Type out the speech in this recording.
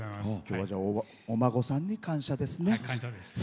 お孫さんに感謝ですね。